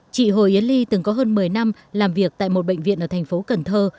chị hồ yến ly từng có hơn một mươi năm làm việc tại một bệnh viện ở thành phố cần thơ